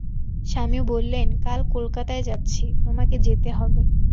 স্বামী বললেন, কাল কলকাতায় যাচ্ছি, তোমাকে যেতে হবে।